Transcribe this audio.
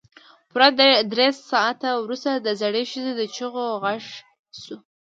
پوره درې ساعته وروسته د زړې ښځې د چيغو غږ شو.